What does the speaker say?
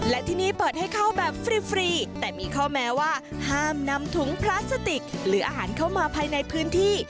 และที่นี่เปิดให้เข้าแบบฟรีแต่มีข้อแม้ว่าห้ามนำถุงพลาสติกหรืออาหารเข้ามาภายในพื้นที่